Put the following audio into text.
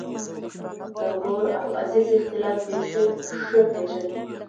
د ورور او عزیز اختلاف بېخي ښه پېژني.